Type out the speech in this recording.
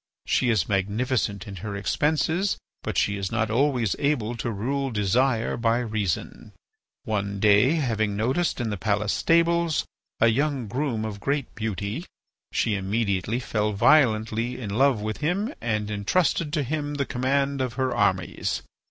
She is magnificent in her expenses, but she is not always able to rule desire by reason. "One day, having noticed in the palace stables, a young groom of great beauty, she immediately fell violently in love with him, and entrusted to him the command of her armies.